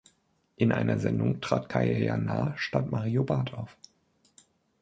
In einer Sendung trat Kaya Yanar statt Mario Barth auf.